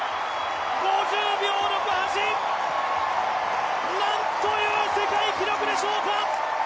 ５０秒６８、なんという世界記録でしょうか。